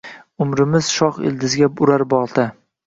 Umrimiz shoh ildiziga urar bolta